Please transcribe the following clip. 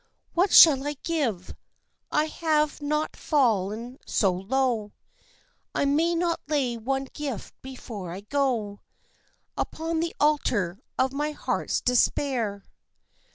What shall I give? I have not fall'n so low I may not lay one gift before I go Upon the altar of my heart's despair.